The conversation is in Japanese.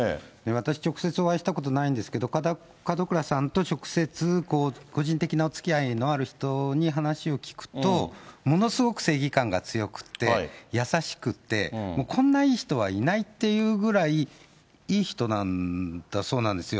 私、直接お会いしたことないんですけど、門倉さんと直接、個人的なおつきあいのある人に話を聞くと、ものすごく正義感が強くて、優しくて、こんないい人はいないっていうぐらい、いい人なんだそうなんですよ。